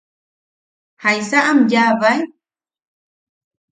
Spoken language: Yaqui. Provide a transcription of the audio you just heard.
¿Jaisa am yaʼabae?